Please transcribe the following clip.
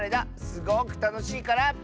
すごくたのしいから。